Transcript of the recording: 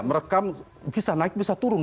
merekam bisa naik bisa turun